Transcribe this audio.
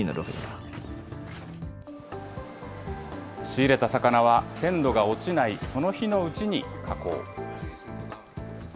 仕入れた魚は鮮度が落ちないその日のうちに加工。